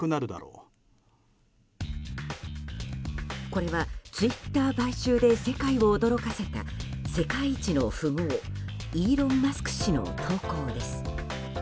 これはツイッター買収で世界を驚かせた世界一の富豪イーロン・マスク氏の投稿です。